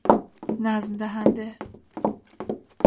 نظم دهنده